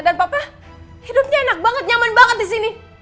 dan papa hidupnya enak banget nyaman banget disini